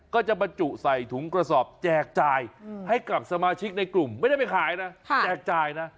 ก็จะบรรจุใส่ถุงกระสอบแจกจ่ายให้กับสมาชิกในกลุ่มไม่ได้ไปขายนะแจกจ่ายนะ